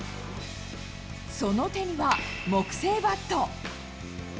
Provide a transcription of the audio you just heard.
その手には木製バット。